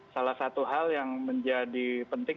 salah satu hal yang menjadi penting